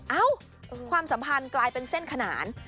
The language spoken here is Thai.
เอ้าความสัมพันธ์กลายเป็นเส้นขนาน